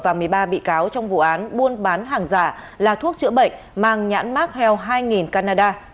và một mươi ba bị cáo trong vụ án buôn bán hàng giả là thuốc chữa bệnh mang nhãn mark health hai canada